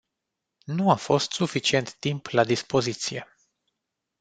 Nu a fost suficient timp la dispoziție.